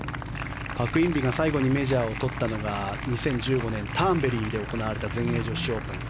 パク・インビが最後にメジャーをとったのが２０１５年ターンベリーで行われた全英女子オープン。